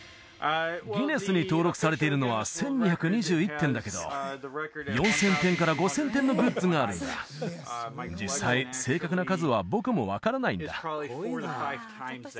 ギネスに登録されているのは１２２１点だけど４０００点から５０００点のグッズがあるんだ実際正確な数は僕も分からないんだ